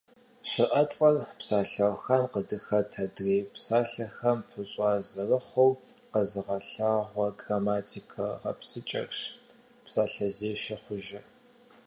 ЩыӀэцӀэр псалъэухам къыдыхэт адрей псалъэхэм пыщӀа зэрыхъур къэзыгъэлъагъуэ грамматикэ гъэпсыкӀэрщ псалъэзешэ хъужыр.